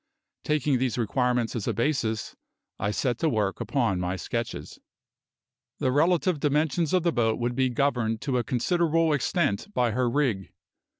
Taking these requirements as a basis, I set to work upon my sketches. The relative dimensions of the boat would be governed to a considerable extent by her rig.